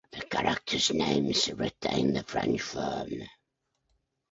The characters' names retain the French form.